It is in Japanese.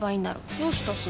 どうしたすず？